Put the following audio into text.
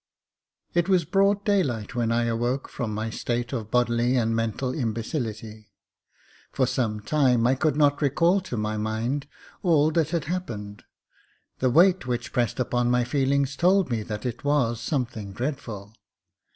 It was broad daylight when I awoke from my state of bodily and mental imbecility. For some time I could not recall to my mind all that had happened : the weight which pressed upon my feelings told me that it was something dreadful.